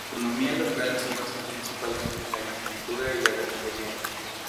La economía local se basa principalmente en la agricultura y la ganadería.